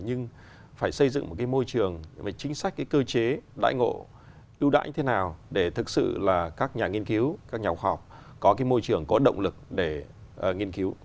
nhưng phải xây dựng một môi trường chính sách cơ chế đại ngộ ưu đãi như thế nào để thực sự là các nhà nghiên cứu các nhà học học có môi trường có động lực để nghiên cứu